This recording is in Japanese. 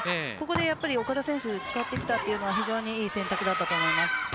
ここで岡田選手を使ってきたというのは非常に良い選択だったと思います。